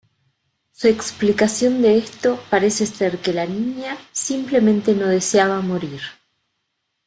Su explicación de esto parece ser que la niña simplemente no deseaba morir.